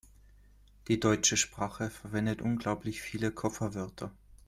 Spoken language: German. Die deutsche Sprache verwendet unglaublich viele Kofferwörter.